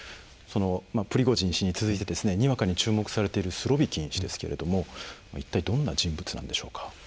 プリゴジン氏に続いてにわかに注目されているスロビキン氏ですけども一体どんな人物なんでしょうか。